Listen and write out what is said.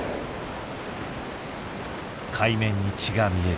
海面に血が見える。